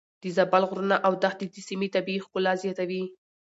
د زابل غرونه او دښتې د سيمې طبيعي ښکلا زياتوي.